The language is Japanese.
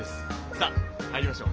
さあ入りましょう！